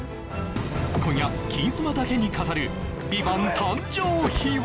今夜金スマだけに語る「ＶＩＶＡＮＴ」誕生秘話